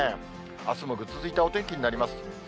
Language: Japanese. あすもぐずついたお天気になります。